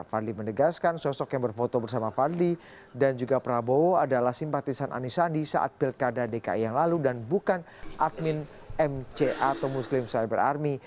fadli menegaskan sosok yang berfoto bersama fadli dan juga prabowo adalah simpatisan anisandi saat pilkada dki yang lalu dan bukan admin mc atau muslim cyber army